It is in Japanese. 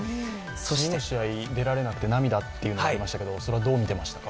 次の試合出られなくて涙というのがありましたけれどもそれはどう見てましたか？